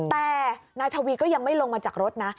แต่นายทวีก็ยังไม่ลงมาจากรถนะ